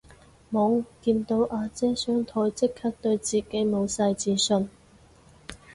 無，見到阿姐雙腿即刻對自己無晒自信